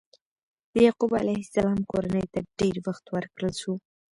د یعقوب علیه السلام کورنۍ ته ډېر وخت ورکړل شو.